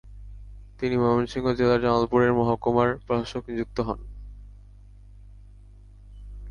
তিনি ময়মনসিংহ জেলার জামালপুরের মহকুমা প্রশাসক নিযুক্ত হন।